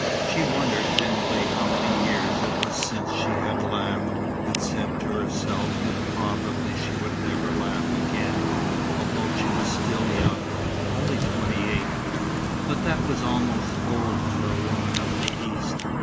She wondered dimly how many years it was since she had laughed, and said to herself that probably she would never laugh again, although she was still young, only twenty eight. But that was almost old for a woman of the East.